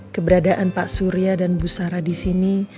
keberadaan pak surya dan bu sara di sini